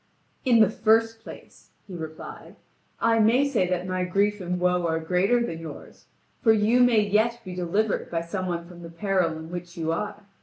"In the first place," he replied, "I may say that my grief and woe are greater than yours, for you may yet be delivered by some one from the peril in which you are.